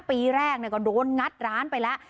ปีแรกก็โดนงัดร้านไปแล้ว